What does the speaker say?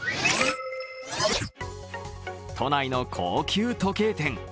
都内の高級時計店。